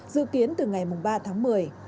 dự kiến từ ngày ba tháng một mươi